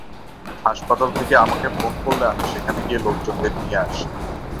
হাসপাতাল থেকে আমাকে ফোন করলে আমি সেখানে গিয়ে লোকজনদের নিয়ে আসি।